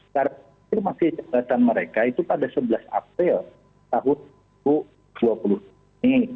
karena masih kejelasan mereka itu pada sebelas april tahun dua ribu dua puluh